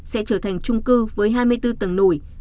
sẽ trở thành trung cư với hai mươi bốn tầng nổi